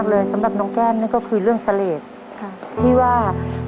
แล้วก็บางทีก็ดูดเสล็จให้บ้าง